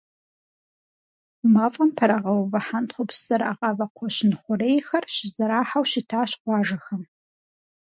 Мафӏэм пэрагъэувэ хьэнтхъупс зэрагъавэ кхъуэщын хъурейхэр щызэрахьэу щытащ къуажэхэм.